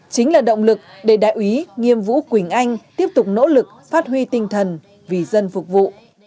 chính là động lực để đại úy nghiêm vũ quỳnh anh tiếp tục nỗ lực phát huy tinh thần vì dân phục vụ